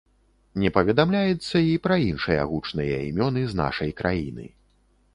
Не паведамляецца і пра іншыя гучныя імёны з нашай краіны.